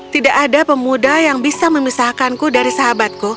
tidak ada pemuda yang bisa memisahkanku dari sahabatku